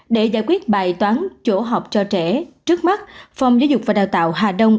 để giải quyết bài toán chỗ học cho trẻ trước mắt phòng giáo dục và đào tạo hà đông